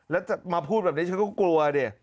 แล้วจะมาพูดแบบนี้ฉันก็กลัวดิ